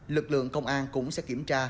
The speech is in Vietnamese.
lực lượng công an cũng sẽ kiểm tra